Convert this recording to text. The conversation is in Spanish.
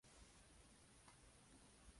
Tiene experiencia de trabajo en grandes empresas.